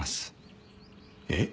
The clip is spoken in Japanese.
えっ？